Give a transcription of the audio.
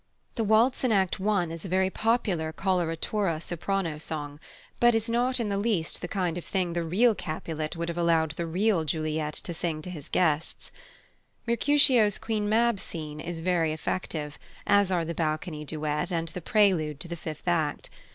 The waltz in Act i. is a very popular coloratura soprano song, but is not in the least the kind of thing the real Capulet would have allowed the real Juliet to sing to his guests. Mercutio's Queen Mab scena is very effective, as are the Balcony duet and the prelude to the fifth act.